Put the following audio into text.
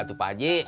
tuh pak haji